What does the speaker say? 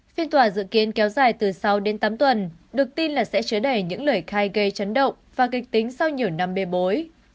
phiên tòa dự kiến kéo dài từ sáu đến tám tuần được tin là sẽ chứa đẩy những lời khai gây chấn động và kịch tính sau nhiều năm bê bối